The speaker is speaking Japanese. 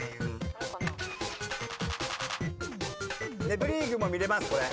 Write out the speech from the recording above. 『ネプリーグ』も見れますこれ。